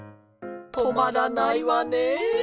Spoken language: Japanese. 止まらないわね。